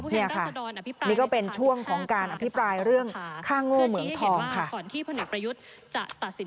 นี่ค่ะนี่ก็เป็นช่วงของการอภิปรายเรื่องฆ่าโง่เหมืองทองค่ะ